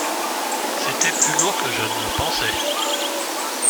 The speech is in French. C’était plus lourd que je ne le pensais.